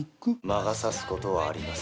魔が差すことはあります